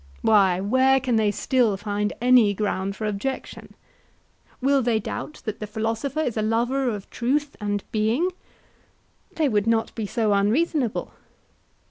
Why, where can they still find any ground for objection? Will they doubt that the philosopher is a lover of truth and being? They would not be so unreasonable.